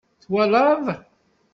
Twalaḍ?